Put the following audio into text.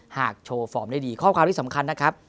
โชว์ฟอร์มได้ดีข้อความที่สำคัญนะครับ